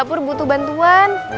dapur butuh bantuan